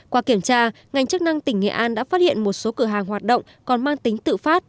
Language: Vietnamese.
qua kiểm tra ngành chức năng tỉnh nghệ an đã phát hiện một số cửa hàng hoạt động còn mang tính tự phát